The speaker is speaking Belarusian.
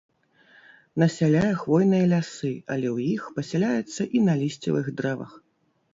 Насяляе хвойныя лясы, але ў іх пасяляецца і на лісцевых дрэвах.